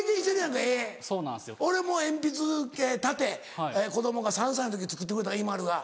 俺も鉛筆立て子供が３歳の時に作ってくれたＩＭＡＬＵが。